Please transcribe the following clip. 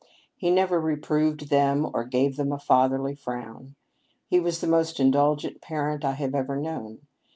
He never reproved them or gave them a fatherly frown. He was the most indulgent parent I have ever known.